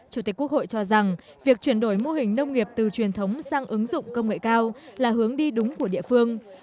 chủ tịch quốc hội cho rằng việc chuyển đổi mô hình nông nghiệp từ truyền thống sang ứng dụng công nghệ cao là hướng đi đúng của địa phương